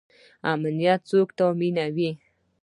امنیت څوک تامینوي؟